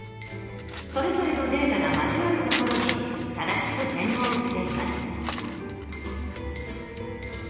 それぞれのデータが交わるところに正しく点を打っています。